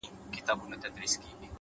د حوصلې ځواک اوږدې لارې زغمي.!